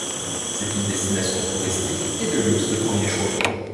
C'est une destination touristique et de luxe de premier choix.